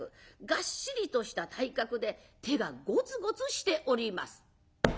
がっしりとした体格で手がごつごつしております。